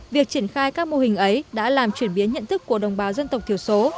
việc triển khai các mô hình ấy đã làm chuyển biến nhận thức của đồng bào dân tộc thiểu số